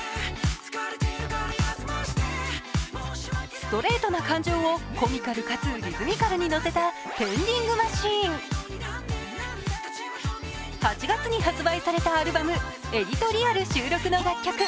ストレートな感情をコミカルかつリズミカルに乗せた「ペンディング・マシーン」８月に発売されたアルバム「Ｅｄｉｔｏｒｉａｌ」収録の楽曲。